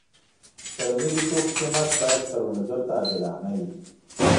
د کرنیزو توکو قیمت باید کروندګر ته عادلانه وي.